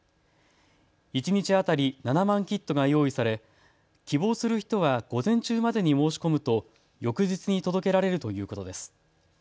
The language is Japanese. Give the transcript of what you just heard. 一日当たり７万キットが用意され希望する人は午前中までに申し込むと翌日に届けられるということです。